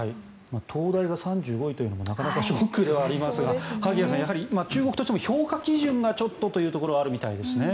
東大が３５位というのはなかなかショックではありますが萩谷さん、中国としては評価基準がちょっとというところはあるみたいですね。